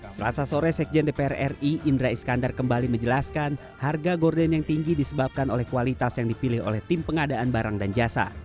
selasa sore sekjen dpr ri indra iskandar kembali menjelaskan harga gordon yang tinggi disebabkan oleh kualitas yang dipilih oleh tim pengadaan barang dan jasa